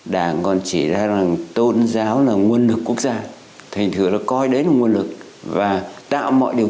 đảng còn chỉ ra rằng tôn giáo là nguồn lực quốc gia thành thừa nó coi đấy là nguồn lực và tạo mọi điều